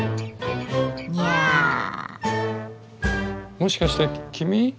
もしかして君？